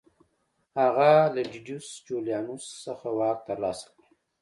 هغه له ډیډیوس جولیانوس څخه واک ترلاسه کړ